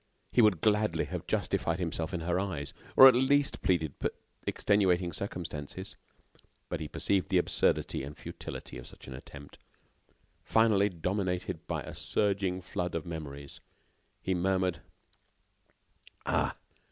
He would gladly have justified himself in her eyes, or at least pleaded extenuating circumstances, but he perceived the absurdity and futility of such an attempt. Finally, dominated by a surging flood of memories, he murmured: "Ah!